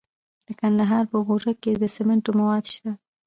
د کندهار په غورک کې د سمنټو مواد شته.